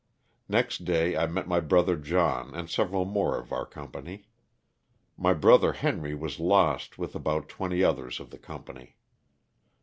Next day I met my brother John and several more of our com pany. My brother Henry was lost with about twenty others of the company.